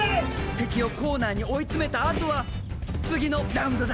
敵をコーナーに追い詰めた後は次のラウンドだ。